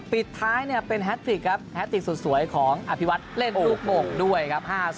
ปิดท้ายเนี่ยเป็นแฮตติกครับแฮตติกสวยของอภิวัติเล่นลูกโหมกด้วยครับ